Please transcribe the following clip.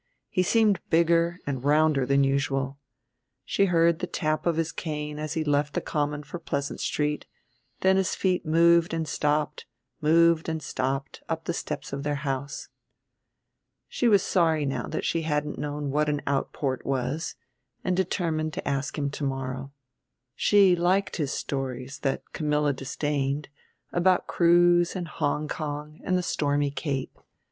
He seemed bigger and rounder than usual. She heard the tap of his cane as he left the Common for Pleasant Street; then his feet moved and stopped, moved and stopped, up the steps of their house. She was sorry now that she hadn't known what an outport was, and determined to ask him to morrow. She liked his stories, that Camilla disdained, about crews and Hong Kong and the stormy Cape.